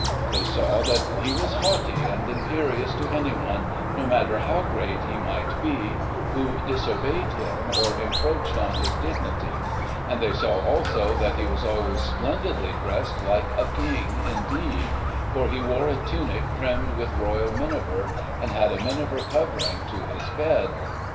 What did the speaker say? They saw that he was haughty and imperious to anyone, no matter how great he might be, who disobeyed him, or encroached on his dignity, and they saw also that he was always splendidly dressed, like a King indeed, for he wore a tunic trimmed with Royal miniver, and had a miniver covering to his bed.